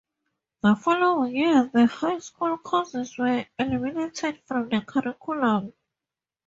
The following year, the high school courses were eliminated from the curriculum.